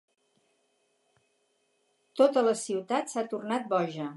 Tota la ciutat s'ha tornat boja.